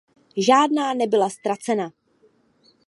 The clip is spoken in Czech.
Žádná nebyla ztracena.